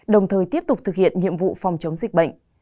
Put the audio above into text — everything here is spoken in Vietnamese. đồng thời tiếp tục thực hiện nhiệm vụ phòng chống dịch bệnh